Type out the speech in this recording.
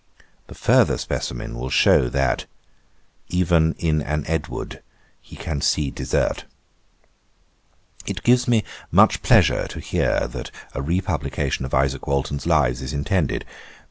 The further specimen will show, that "Even in an Edward he can see desert." 'It gives me much pleasure to hear that a republication of Isaac Walton's Lives is intended.